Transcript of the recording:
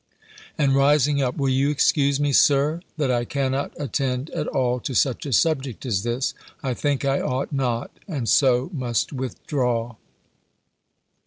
And rising up "Will you excuse me, Sir, that I cannot attend at all to such a subject as this? I think I ought not: and so must withdraw."